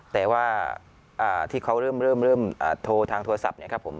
แต่ว่าอ่าที่เขาเริ่มเริ่มเริ่มอ่าโทรทางโทรศัพท์เนี้ยครับผม